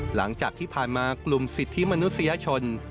หลังจากที่ผ่านมากลุ่มสิทธิมนุษยชน